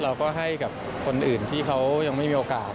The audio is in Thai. เราก็ให้กับคนอื่นที่เขายังไม่มีโอกาส